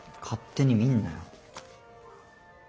勝手に見んなよ。